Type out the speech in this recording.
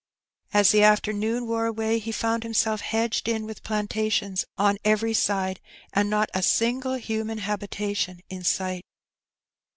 As the afternoon wore away he found himself hedged in with plantations on every side, and not a single human habitation in sight.